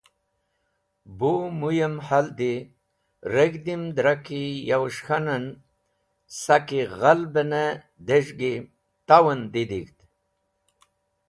Bu mũyem haldi, reg̃hdim dra ki yawes̃h k̃hanen saki ghal be ne dez̃hgi, tawen didig̃hd.